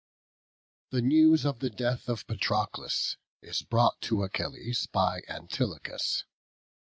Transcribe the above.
The news of the death of Patroclus is brought to Achilles by Antilochus.